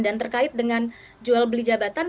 dan terkait dengan jual beli jabatan